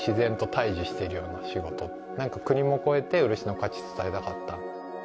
国も超えて漆の価値伝えたかった。